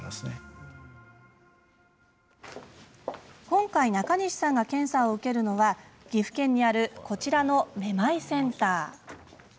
今回中西さんが検査を受けるのは岐阜県にあるこちらのめまいセンター。